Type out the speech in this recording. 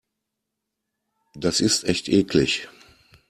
Das ist echt eklig.